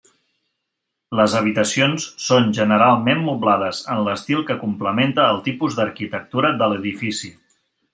Les habitacions són generalment moblades en l'estil que complementa el tipus d'arquitectura de l'edifici.